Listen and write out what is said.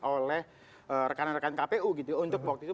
oleh rekan rekan kpu gitu untuk waktu itu